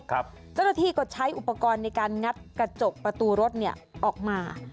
เจ้าหน้าที่ก็ใช้อุปกรณ์ในการงัดกระจกประตูรถออกมา